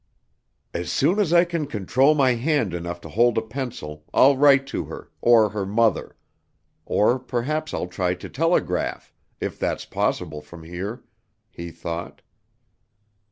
"As soon as I can control my hand enough to hold a pencil, I'll write to her or her mother. Or perhaps I'll try to telegraph, if that's possible from here," he thought.